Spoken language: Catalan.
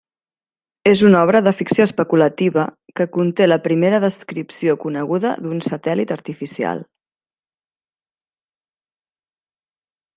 És una obra de ficció especulativa que conté la primera descripció coneguda d'un satèl·lit artificial.